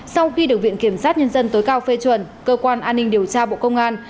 sau khi được viện kiểm sát nhân dân tối cao phê chuẩn cơ quan an ninh điều tra bộ công an